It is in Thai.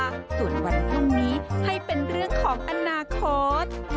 ส่วนวันพรุ่งนี้ให้เป็นเรื่องของอนาคต